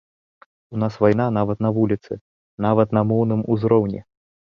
У нас вайна нават на вуліцы, нават на моўным узроўні!